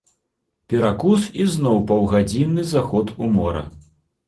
Перакус і зноў паўгадзінны заход у мора.